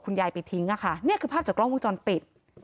คุณยายไปทิ้งนี่คือภาพจากกล้องวงจรปิด